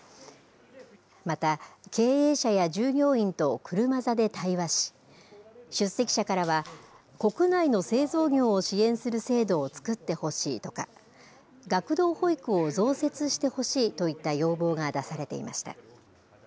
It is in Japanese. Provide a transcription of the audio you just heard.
また、経営者や従業員と車座で対話し出席者からは国内の製造業を支援する制度を作ってほしいとか学童保育を増設してほしいといった要望が出されていました。